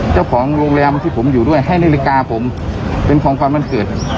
เจ้าของโรงแรมที่ผมอยู่ด้วยให้นาฬิกาผมเป็นของขวัญวันเกิด